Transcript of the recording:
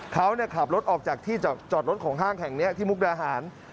เขาขับรถออกจากที่จอดรถของห้างแห่งนี้ที่มุกดาหาร